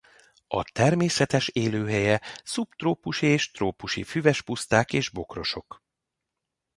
A természetes élőhelye szubtrópusi és trópusi füves puszták és bokrosok.